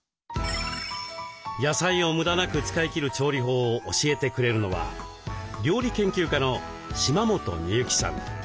野菜を無駄なく使い切る調理法を教えてくれるのは料理研究家の島本美由紀さん。